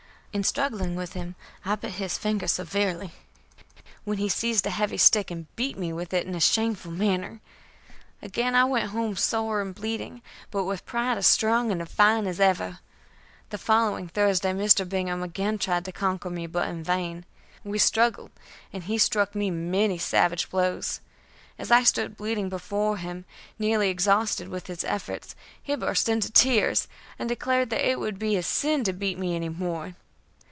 In struggling with him I bit his finger severely, when he seized a heavy stick and beat me with it in a shameful manner. Again I went home sore and bleeding, but with pride as strong and defiant as ever. The following Thursday Mr. Bingham again tried to conquer me, but in vain. We struggled, and he struck me many savage blows. As I stood bleeding before him, nearly exhausted with his efforts, he burst into tears, and declared that it would be a sin to beat me any more.